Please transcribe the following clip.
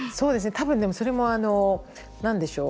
多分それもあの何でしょう？